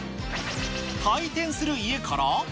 回転する家から。